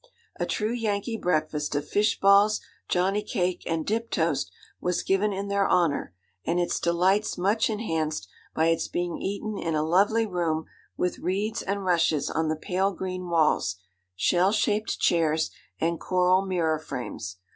A true Yankee breakfast of fish balls, johnny cake, and dip toast, was given in their honour, and its delights much enhanced by its being eaten in a lovely room with reeds and rushes on the pale green walls, shell shaped chairs, and coral mirror frames.